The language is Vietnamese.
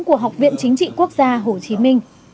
của học viện chính trị quốc gia hồ chí minh